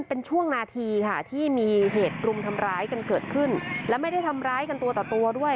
เป็นช่วงนาทีค่ะที่มีเหตุรุมทำร้ายกันเกิดขึ้นและไม่ได้ทำร้ายกันตัวต่อตัวด้วย